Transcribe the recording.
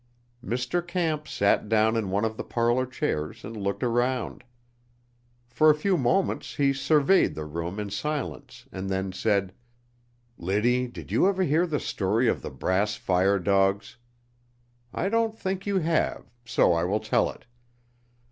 Mr. Camp sat down in one of the parlor chairs and looked around. For a few moments he surveyed the room in silence and then said: "Liddy, did you ever hear the story of the brass fire dogs? I don't think you have, so I will tell it.